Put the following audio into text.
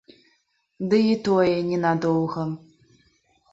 Ды і тое не надоўга.